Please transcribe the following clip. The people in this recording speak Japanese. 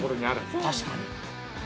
◆確かに。